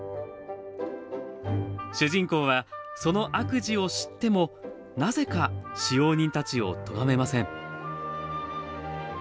主人公は、その悪事を知っても、なぜか使用人たちをとがめません。